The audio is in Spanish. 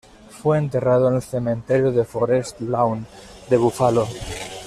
Fue enterrado en el cementerio Forest Lawn de Buffalo.